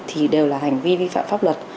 thì đều là hành vi vi phạm pháp luật